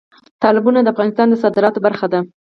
تالابونه د افغانستان د صادراتو برخه ده.